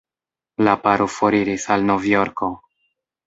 La paro foriris al Novjorko.